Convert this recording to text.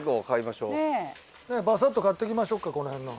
バサッと買っていきましょうかこの辺の。